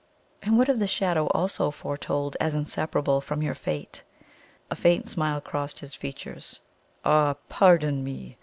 "And what of the shadow also foretold as inseparable from your fate?" A faint smile crossed his features. "Ah, pardon me!